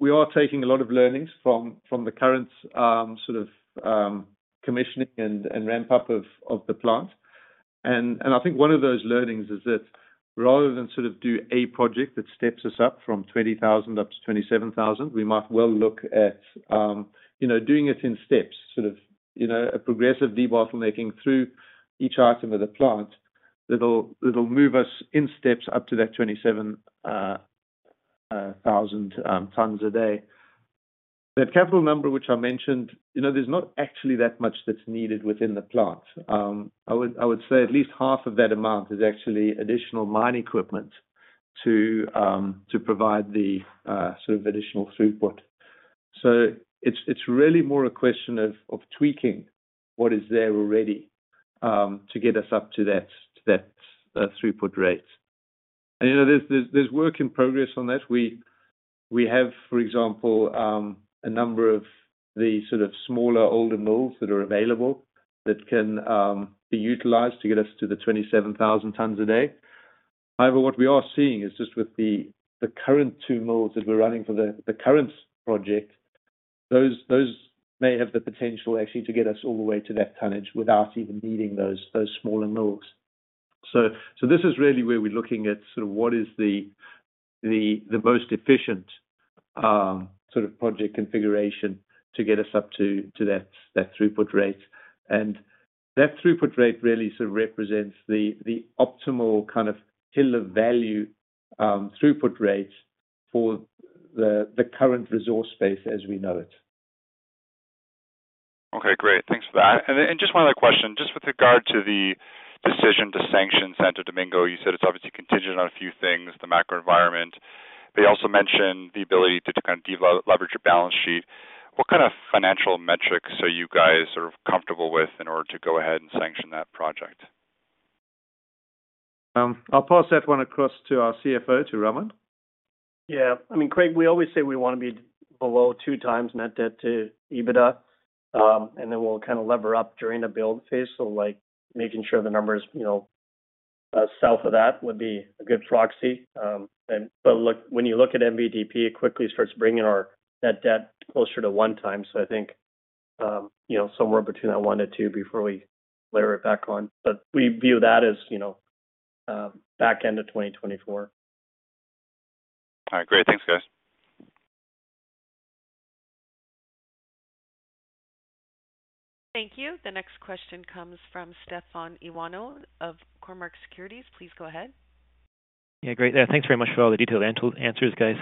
we are taking a lot of learnings from, from the current sort of commissioning and ramp-up of the plant. I think one of those learnings is that rather than sort of do a project that steps us up from 20,000 up to 27,000, we might well look at, you know, doing it in steps, sort of, you know, a progressive debottlenecking through each item of the plant that'll, that'll move us in steps up to that 27,000 tons a day. That capital number, which I mentioned, you know, there's not actually that much that's needed within the plant. I would, I would say at least half of that amount is actually additional mine equipment to provide the sort of additional throughput. It's, it's really more a question of, of tweaking what is there already, to get us up to that, to that throughput rate. You know, there's, there's, there's work in progress on that. We, we have, for example, a number of the sort of smaller, older mills that are available that can be utilized to get us to the 27,000 tons a day. However, what we are seeing is just with the, the current two mills that we're running for the, the current project, those, those may have the potential actually to get us all the way to that tonnage without even needing those, those smaller mills. This is really where we're looking at sort of what is the, the, the most efficient, sort of project configuration to get us up to, to that, that throughput rate. That throughput rate really sort of represents the, the optimal kind of pillar value, throughput rate for the, the current resource base as we know it. Okay, great. Thanks for that. Just one other question, just with regard to the decision to sanction Santo Domingo. You said it's obviously contingent on a few things, the macro environment. They also mentioned the ability to kind of leverage your balance sheet. What kind of financial metrics are you guys sort of comfortable with in order to go ahead and sanction that project? I'll pass that one across to our CFO, to Raman. Yeah. I mean, Craig, we always say we want to be below 2x net debt to EBITDA. Then we'll kind of lever up during the build phase. Like, making sure the number is, you know, south of that would be a good proxy. But look, when you look at MVDP, it quickly starts bringing our net debt closer to 1x. I think, you know, somewhere between that 1x to 2x before we layer it back on. We view that as, you know, back end of 2024. All right, great. Thanks, guys. Thank you. The next question comes from Stefan Ioannou of Cormark Securities. Please go ahead. Yeah, great. Thanks very much for all the detailed answers, guys.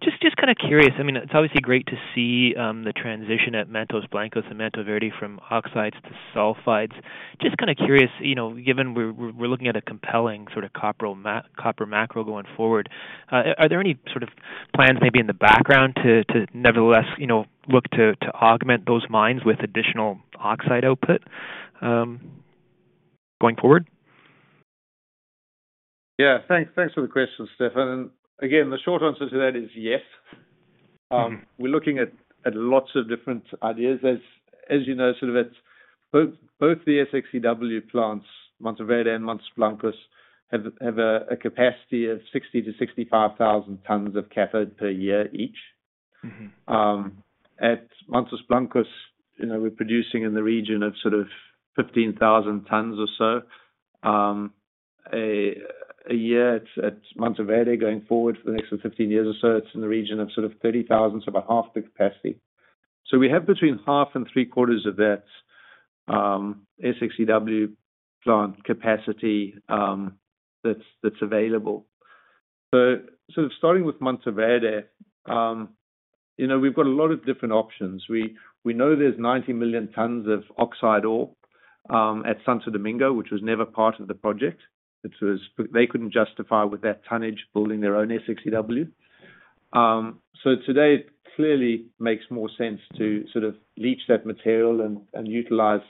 Just, just kind of curious, I mean, it's obviously great to see the transition at Mantos Blancos and Mantoverde from oxides to sulfides. Just kind of curious, you know, given we're, we're looking at a compelling sort of copper macro going forward, are there any sort of plans maybe in the background to, to nevertheless, you know, look to, to augment those mines with additional oxide output going forward? Yeah. Thanks, thanks for the question, Stephan. Again, the short answer to that is yes. We're looking at, at lots of different ideas. As, as you know, at both, both the SXEW plants, Mantoverde and Mantos Blancos, have, have a capacity of 60,000-65,000 tons of cathode per year each. At Mantos Blancos, you know, we're producing in the region of sort of 15,000 tons or so a year at Mantoverde. Going forward for the next 15 years or so, it's in the region of sort of 30,000, so about half the capacity. We have between half and three-quarters of that SXEW plant capacity that's available. Starting with Mantoverde, you know, we've got a lot of different options. We know there's 90 million tons of oxide ore at Santo Domingo, which was never part of the project. They couldn't justify with that tonnage building their own SXEW. Today it clearly makes more sense to sort of leach that material and utilize,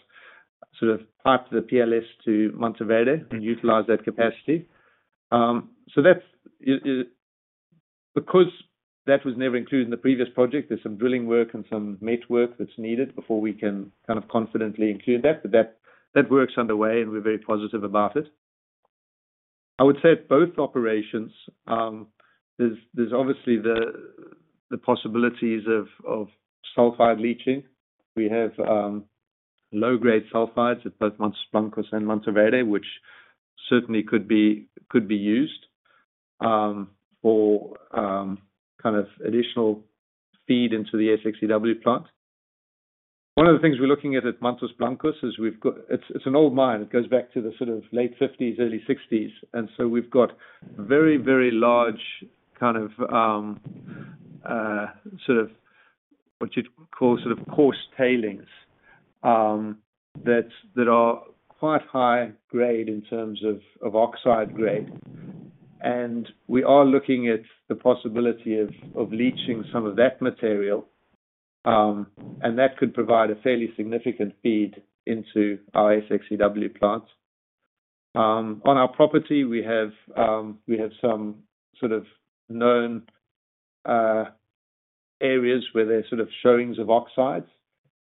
sort of, pipe the PLS to Mantoverde and utilize that capacity. That was never included in the previous project, there's some drilling work and some met work that's needed before we can kind of confidently include that, but that, that work's underway, and we're very positive about it. I would say at both operations, there's, there's obviously the, the possibilities of, of sulfide leaching. We have low-grade sulfides at both Mantos Blancos and Mantoverde, which certainly could be, could be used for kind of additional feed into the SXEW plant. One of the things we're looking at at Mantos Blancos is it's, it's an old mine. It goes back to the sort of late 1950s, early 1960s, so we've got very, very large kind of sort of what you'd call sort of coarse tailings, that's, that are quite high grade in terms of, of oxide grade. We are looking at the possibility of, of leaching some of that material, and that could provide a fairly significant feed into our SXEW plants. On our property, we have, we have some sort of known areas where there are sort of showings of oxides,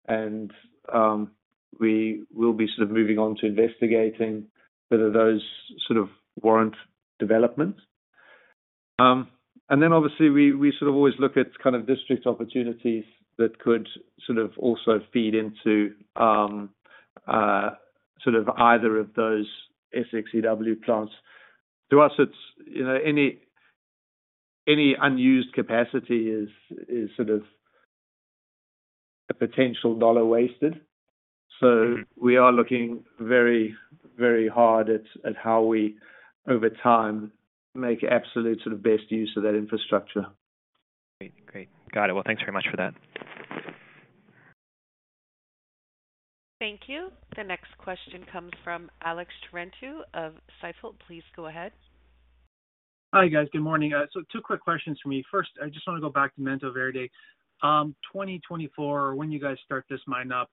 and we will be sort of moving on to investigating whether those sort of warrant development. Then obviously, we, we sort of always look at kind of district opportunities that could sort of also feed into, sort of either of those SXEW plants. To us, it's, you know, any, any unused capacity is, is sort of a potential dollar wasted. We are looking very, very hard at, at how we, over time, make absolute sort of best use of that infrastructure. Great. Great. Got it. Thanks very much for that. Thank you. The next question comes from Alex Terentiew of Stifel. Please go ahead. Hi, guys. Good morning. So two quick questions for me. First, I just want to go back to Mantoverde. 2024, when you guys start this mine up,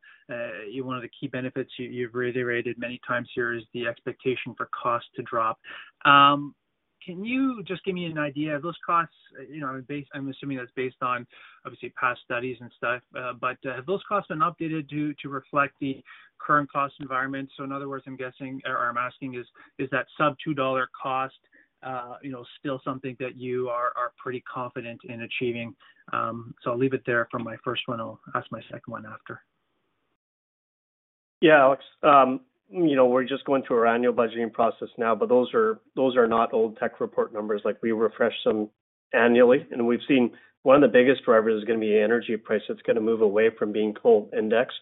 you know one of the key benefits you, you've reiterated many times here is the expectation for cost to drop. Can you just give me an idea, have those costs, you know, base-- I'm assuming that's based on obviously past studies and stuff, but have those costs been updated due to reflect the current cost environment? In other words, I'm guessing, or I'm asking is, is that sub $2 cost, you know, still something that you are, are pretty confident in achieving? I'll leave it there for my first one. I'll ask my second one after. Yeah, Alex, you know, we're just going through our annual budgeting process now, but those are not old tech report numbers. Like, we refresh them annually, and we've seen one of the biggest drivers is gonna be energy price. It's gonna move away from being coal indexed.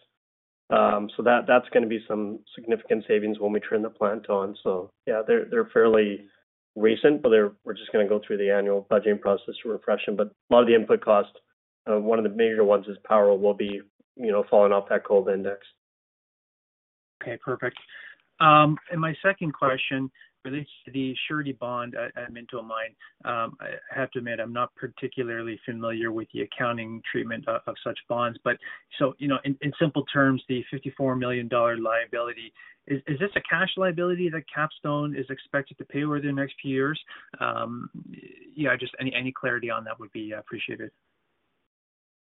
That's gonna be some significant savings when we turn the plant on. Yeah, they're fairly recent, but they're, we're just gonna go through the annual budgeting process to refresh them. A lot of the input costs, one of the major ones is power, will be, you know, falling off that coal index. Okay, perfect. My second question relates to the surety bond at Minto Mine. I have to admit, I'm not particularly familiar with the accounting treatment of such bonds, but so, you know, in simple terms, the $54 million liability, is this a cash liability that Capstone is expected to pay over the next few years? Yeah, just any clarity on that would be appreciated.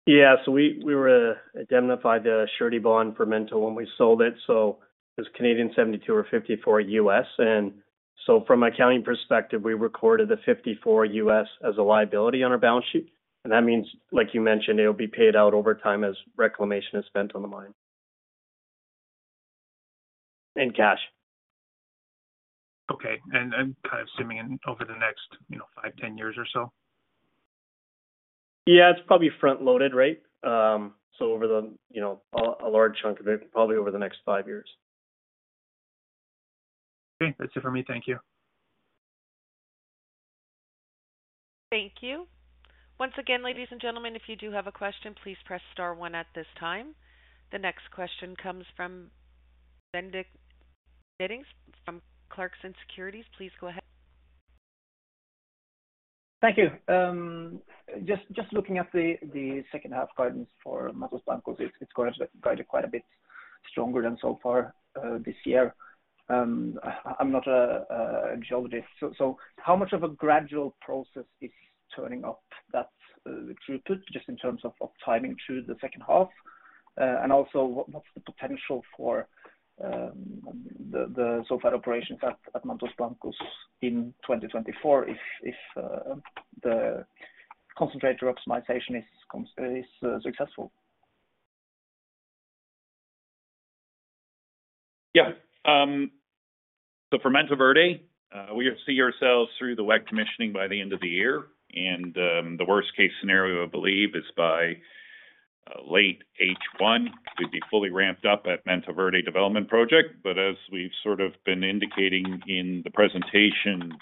Yeah, so we, we were, indemnified the surety bond for Minto when we sold it. It was 72 or $54. From an accounting perspective, we recorded the $54 as a liability on our balance sheet. That means, like you mentioned, it'll be paid out over time as reclamation is spent on the mine. In cash. Okay. Kind of assuming over the next, you know, five, 10 years or so? Yeah, it's probably front-loaded, right? Over the, you know, a, a large chunk of it, probably over the next five years. Okay, that's it for me. Thank you. Thank you. Once again, ladies and gentlemen, if you do have a question, please press star one at this time. The next question comes from Bendik Nyttingnes from Clarksons Securities. Please go ahead. Thank you. Just looking at the second half guidance for Mantos Blancos, it's going to be guided quite a bit stronger than so far this year. I'm not a geologist, so how much of a gradual process is turning up that throughput, just in terms of timing to the second half? Also, what's the potential for the so far operations at Mantos Blancos in 2024, if the concentrator optimization is successful? Yeah. For Mantoverde, we see ourselves through the wet commissioning by the end of the year. The worst-case scenario, I believe, is by late H1, we'd be fully ramped up at Mantoverde Development Project. As we've sort of been indicating in the presentation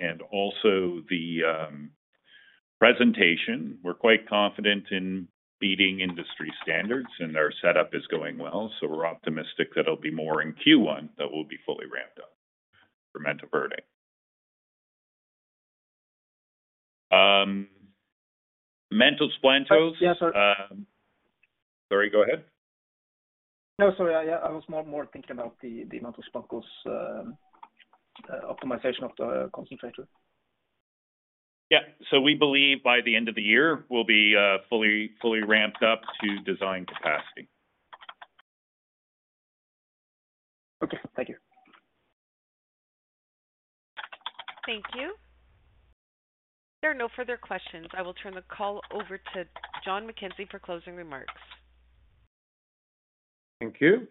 and also the presentation, we're quite confident in beating industry standards, and our setup is going well. We're optimistic that it'll be more in Q1, that we'll be fully ramped up for Mantoverde. Mantos Blancos- Yes, sir. Sorry, go ahead. No, sorry. I, yeah, I was more, more thinking about the, the Mantos Blancos optimization of the concentrator. Yeah. We believe by the end of the year, we'll be fully, fully ramped up to design capacity. Okay, thank you. Thank you. There are no further questions. I will turn the call over to John MacKenzie for closing remarks. Thank you.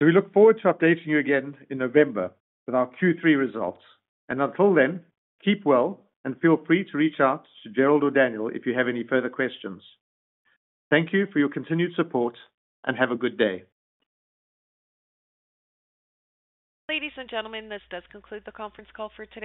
We look forward to updating you again in November with our Q3 results. Until then, keep well, and feel free to reach out to Gerald or Daniel if you have any further questions. Thank you for your continued support, and have a good day. Ladies and gentlemen, this does conclude the conference call for today.